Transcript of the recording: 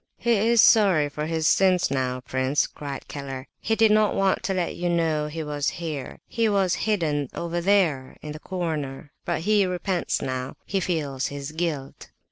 "He is sorry for his sins now, prince," cried Keller. "He did not want to let you know he was here; he was hidden over there in the corner,—but he repents now, he feels his guilt."